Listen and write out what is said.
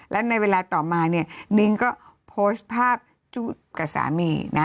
แล้วในเวลาต่อมาเนี่ยนิ้งก็โพสต์ภาพจุ๊บกับสามีนะ